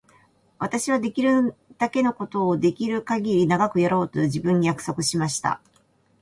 私はできるだけのことをできるかぎり長くやろうと自分に約束しました。